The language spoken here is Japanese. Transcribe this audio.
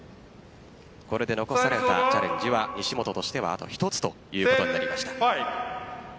これで残されたチャレンジは西本としてはあと１つということになりました。